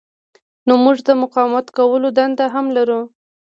نو موږ د مقاومت کولو دنده هم لرو.